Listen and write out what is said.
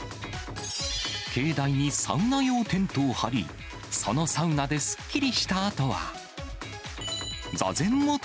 境内にサウナ用テントを張り、そのサウナですっきりしたあとは。